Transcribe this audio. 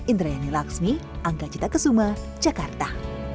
indra yani laksmi angga cita kesuma jakarta